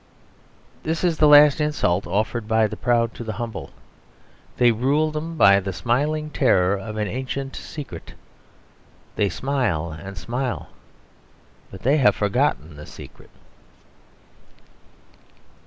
This is the last insult offered by the proud to the humble. They rule them by the smiling terror of an ancient secret. They smile and smile; but they have forgotten the secret.